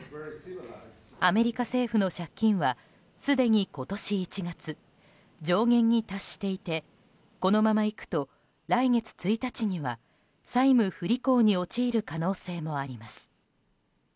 アメリカ政府の借金はすでに今年１月上限に達していてこのまま行くと来月１日には債務不履行に陥る可能性もあります。